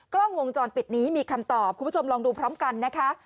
กล้องวงจรปิดนี้มีคำตอบคุณผู้ชมลองดูพร้อมกันนะคะ